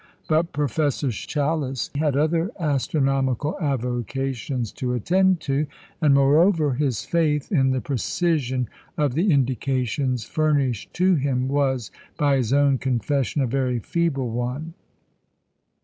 But Professor Challis had other astronomical avocations to attend to, and, moreover, his faith in the precision of the indications furnished to him was, by his own confession, a very feeble one.